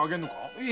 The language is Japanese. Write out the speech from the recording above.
いえ。